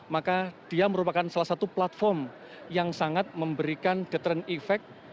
maka dia merupakan salah satu platform yang sangat memberikan detern effect